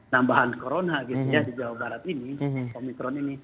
tambahan corona di jawa barat ini